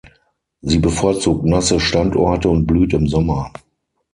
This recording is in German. Sie bevorzugt nasse Standorte und blüht im Sommer.